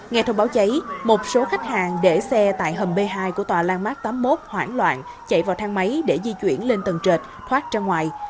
nghe thông báo cháy một số khách hàng để xe tại hầm b hai của tòa landmark tám mươi một hoảng loạn chạy vào thang máy để di chuyển lên tầng trệt thoát ra ngoài